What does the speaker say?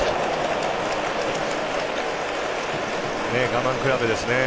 我慢比べですね。